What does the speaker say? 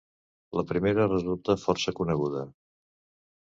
La primera resulta força coneguda.